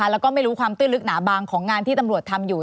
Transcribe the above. แล้วก็ไม่รู้ความตื้นลึกหนาบางของงานที่ตำรวจทำอยู่